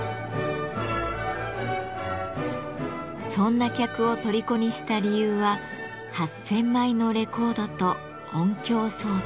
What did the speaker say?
そんな客をとりこにした理由は８，０００枚のレコードと音響装置。